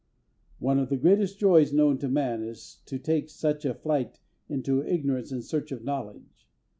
One of the greatest joys known to man is to take such a flight into ignorance in search of knowledge.